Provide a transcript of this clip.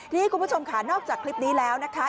ทีนี้คุณผู้ชมค่ะนอกจากคลิปนี้แล้วนะคะ